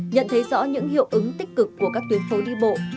nhận thấy rõ những hiệu ứng tích cực của các tuyến phố đi bộ